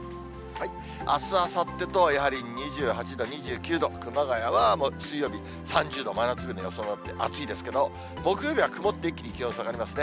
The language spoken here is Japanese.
あす、あさってとやはり２８度、２９度、熊谷は水曜日３０度、真夏日の予想になって、暑いですけど、木曜日は曇って一気に気温下がりますね。